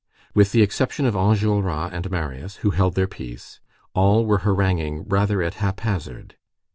With the exception of Enjolras and Marius, who held their peace, all were haranguing rather at hap hazard.